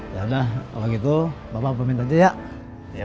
yaudah kalau gitu bapak pemenit aja ya